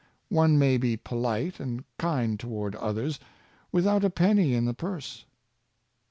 One may be polite and kind toward others, without a penny in the purse.